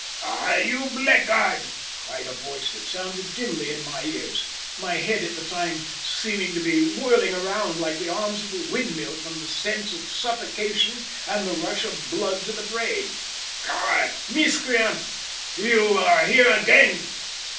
"Ah! you blackguard," cried a voice that sounded dimly in my ears, my head at the time seeming to be whirling round like the arms of a windmill from the sense of suffocation and the rush of blood to the brain. "Coward! miscreant! you are here again."